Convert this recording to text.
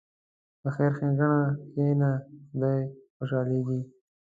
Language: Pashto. په خیر ښېګڼه کښېنه، خدای خوشحالېږي.